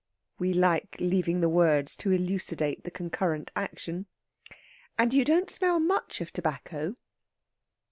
We like leaving the words to elucidate the concurrent action. "And you don't smell much of tobacco."